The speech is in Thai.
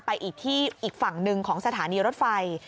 อีกที่อีกฝั่งหนึ่งของสถานีรถไฟ